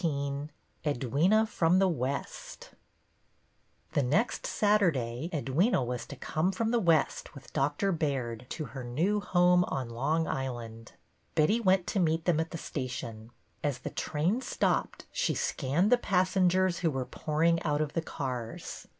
XV EDWYNA FROM THE WEST T he next Saturday Edwyna was to come from the West with Dr. Baird to her new home on Long Island. Betty went to meet them at the station. As the train stopped, she scanned the passengers who were pouring out of the cars.